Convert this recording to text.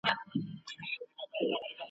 دوه شعرونه لیدلي دي ,